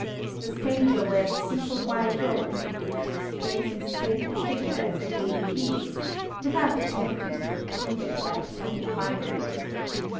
The stranger wears a simple white robe, which displays his stately figure as it really is, without attempting to improve it by exotic finery.